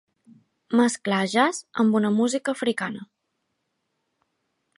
Mesclar jazz amb una música africana.